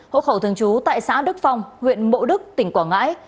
hộ khẩu thường trú tại xã đức phong huyện mộ đức tỉnh quảng ngãi